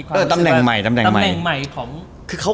เป็นไงครับมีความรู้สึกว่า